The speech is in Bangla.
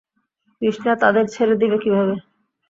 কৃষ্ণা তাদের ছেড়ে দিবে কীভাবে?